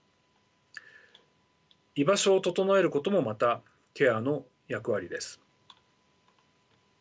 居場所を整えることもまたケアの役割です。